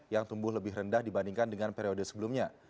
yang tumbuh lebih rendah dibandingkan dengan periode sebelumnya